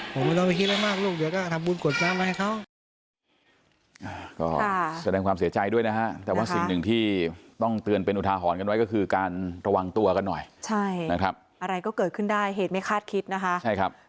ผมไม่ต้องไปคิดอะไรมากลูกเดี๋ยวก็ทำบุญกวดน้ำมาให้เขา